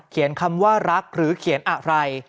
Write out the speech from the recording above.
คำว่ารักหรือเขียนอะไร